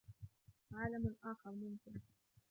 عالم آخر ممكن.